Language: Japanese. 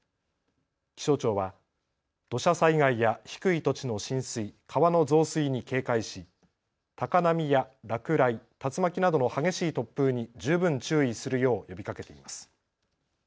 気象庁は土砂災害や低い土地の浸水、川の増水に警戒し高波や落雷、竜巻などの激しい突風に十分注意するよう呼びかけています。